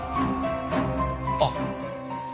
あっ。